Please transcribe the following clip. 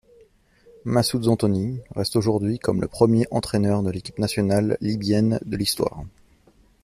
Massoud Zantony reste aujourd'hui comme le premier entraîneur de l'équipe nationale libyenne de l'histoire.